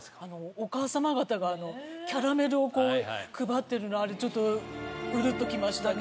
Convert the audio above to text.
お母様方がキャラメルを配ってるのあれうるっと来ましたね。